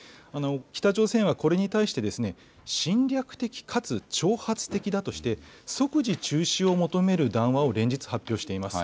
北朝鮮はこれに対して、侵略的かつ挑発的だとして、即時中止を求める談話を連日発表しています。